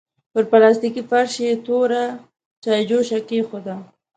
پر پلاستيکي فرش يې توره چايجوشه کېښوده.